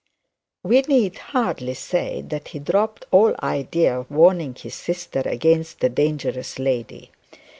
We need hardly say that he dropped all idea of warning his sister against the dangerous lady.